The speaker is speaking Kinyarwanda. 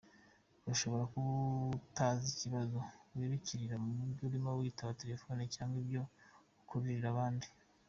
Ushobora kuba utazi ibibazo wikururira iyo urimo kwitaba telefoni cyangwa ibyo ukururira abandi.